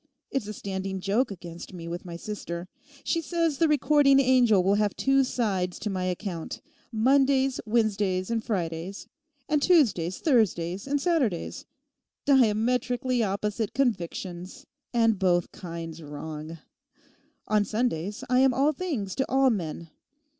It's a standing joke against me with my sister. She says the recording angel will have two sides to my account: Mondays, Wednesdays, and Fridays; and Tuesdays, Thursdays, and Saturdays—diametrically opposite convictions, and both kinds wrong. On Sundays I am all things to all men.